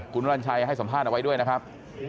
คุณวัญชัยให้สัมภาษณ์เอาไว้ด้วยนะครับ